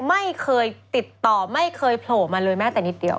ไม่เคยติดต่อไม่เคยโผล่มาเลยแม้แต่นิดเดียว